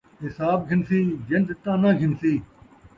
حساب گھنسی ، جن٘د تاں ناں گھنسی